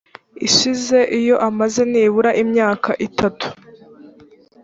ishize iyo amaze nibura imyaka itatu